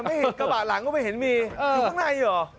กระบาดหลังก็ไม่เห็นมีอยู่ข้างในอยู่หรอ